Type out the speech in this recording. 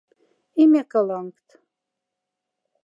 И меколанкт.